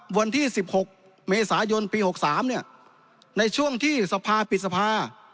วันที่๑๖เมษายนปี๖๓ในช่วงที่สภาปิดสภา